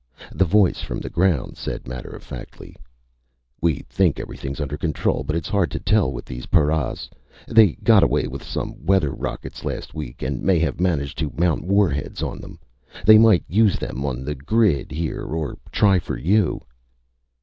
The voice from the ground said matter of factly: "_We think everything's under control, but it's hard to tell with these paras. They got away with some weather rockets last week and may have managed to mount war heads on them. They might use them on the grid, here, or try for you.